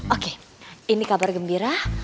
oke ini kabar gembira